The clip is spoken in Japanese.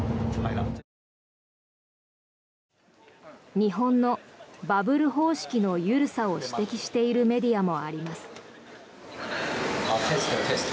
日本のバブル方式の緩さを指摘しているメディアもあります。